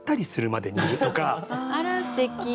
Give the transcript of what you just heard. あらすてき。